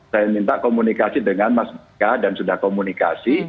saya minta komunikasi dengan mas bk dan sudah komunikasi